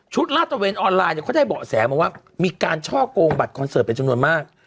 ชุดราตเตอร์เวนออนไลน์ก็ได้เบาะแสงมาว่ามีการช่อกโกงบัตรคอนเสิร์ตเป็นจำนวนมาก